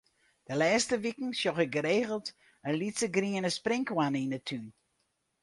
De lêste wiken sjoch ik geregeld in lytse griene sprinkhoanne yn 'e tún.